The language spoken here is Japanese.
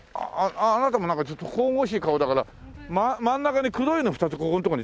あなたもなんかちょっと神々しい顔だから真ん中に黒いの２つここのとこに描いてほしいな。